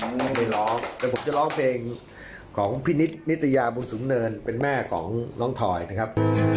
น้องไปร้องแต่ผมจะร้องเพลงของพี่นิดนิตยาบุญสูงเนินเป็นแม่ของน้องถอยนะครับ